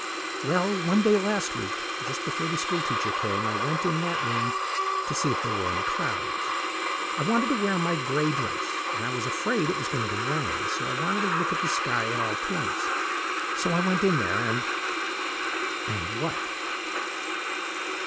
"Well, one day last week, just before the school teacher came, I went in that room to see if there were any clouds. I wanted to wear my gray dress, and I was afraid it was going to rain, so I wanted to look at the sky at all points, so I went in there, and " "And what?"